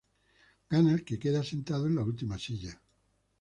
Gana el que queda sentado en la última silla.